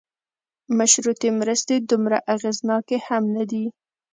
مشروطې مرستې دومره اغېزناکې هم نه دي.